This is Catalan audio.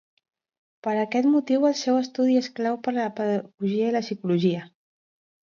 Per aquest motiu el seu estudi és clau per a la pedagogia i la psicologia.